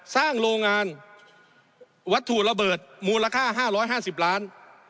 โรงงานวัตถุระเบิดมูลค่า๕๕๐ล้าน